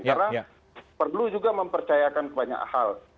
karena perlu juga mempercayakan banyak hal